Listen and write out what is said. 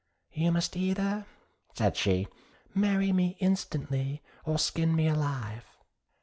'You must either,' said she, 'marry me instantly or skin me alive.'